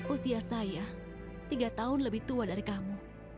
usia saya tiga tahun lebih tua dari kamu